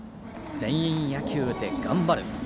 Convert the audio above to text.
全員野球で頑張る。